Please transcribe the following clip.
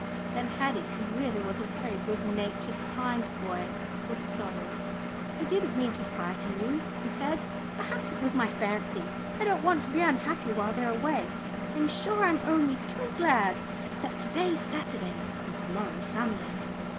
Then Haddie, who really was a very good natured, kind boy, looked sorry. "I didn't mean to frighten you," he said; "perhaps it was my fancy. I don't want to be unhappy while they're away, I'm sure. I'm only too glad that to day's Saturday and to morrow Sunday."